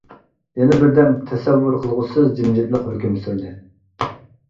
يەنە بىردەم تەسەۋۋۇر قىلغۇسىز جىمجىتلىق ھۆكۈم سۈردى.